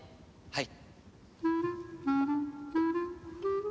はい。